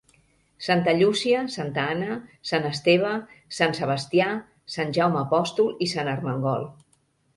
Santa Llúcia, Santa Anna, Sant Esteve, Sant Sebastià, Sant Jaume Apòstol i Sant Armengol.